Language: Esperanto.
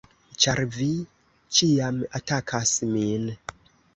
Ĉar vi ĉiam atakas min!